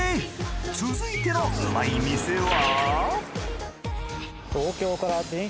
続いてのうまい店は？